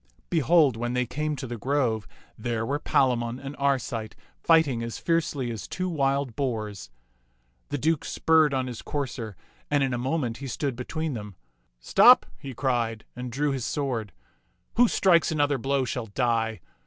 Behold, when they came to the grove, there were Palamon and Arcite fighting as fiercely as two wild boars. The Duke spurred on his courser, and in a moment he stood between them, " Stop !" he cried, and drew his sword. " Who strikes another blow shall die.